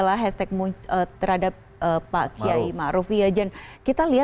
wah press kukiai